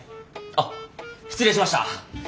あっ失礼しました。